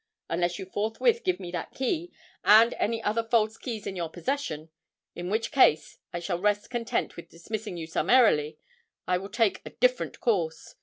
Unless you forthwith give me that key, and any other false keys in your possession in which case I shall rest content with dismissing you summarily I will take a different course.